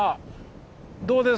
どうです？